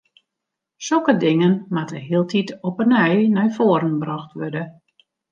Sokke dingen moatte hieltyd op 'e nij nei foaren brocht wurde.